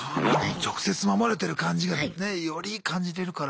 直接守れてる感じがねより感じれるから。